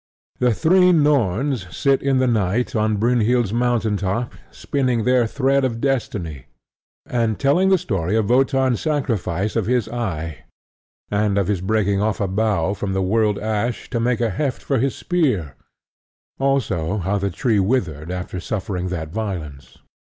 The three Norns sit in the night on Brynhild's mountain top spinning their thread of destiny, and telling the story of Wotan's sacrifice of his eye, and of his breaking off a bough from the World Ash to make a heft for his spear, also how the tree withered after suffering that violence.